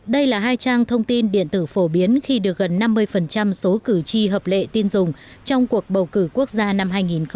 đây là hai trang thông tin điện tử phổ biến khi được gần năm mươi số cử tri hợp lệ tin dùng trong cuộc bầu cử quốc gia năm hai nghìn một mươi sáu